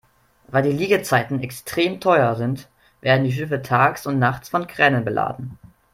Weil die Liegezeiten extrem teuer sind, werden die Schiffe tags und nachts von Kränen beladen.